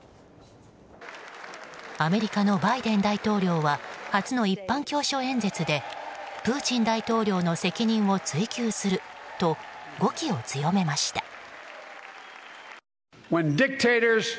アメリカのバイデン大統領は初の一般教書演説でプーチン大統領の責任を追及すると語気を強めました。